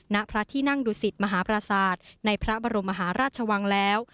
ณพระที่นั่งดุสิตมหาปราศาสตร์ในพระบรมมหาราชวังแล้ว